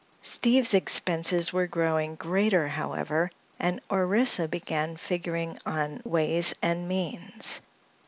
Steve's expenses were growing greater, however, and Orissa began figuring on "ways and means."